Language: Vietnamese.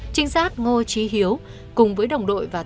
trinh sát ngô trí hiếu cùng với đồng đội và thông tin